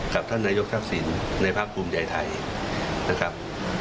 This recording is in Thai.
กับท่านนายกทักษิณในภาคภูมิใจไทยนะครับ